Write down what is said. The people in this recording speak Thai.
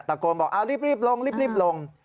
ตะโกนบอกรีบลงรีบลง